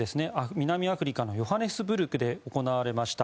南アフリカのヨハネスブルクで行われました